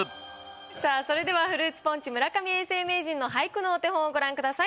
さあそれではフルーツポンチ村上永世名人の俳句のお手本をご覧ください。